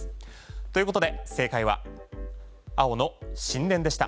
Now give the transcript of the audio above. ということで正解は青の神殿でした。